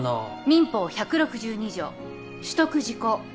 民法１６２条取得時効。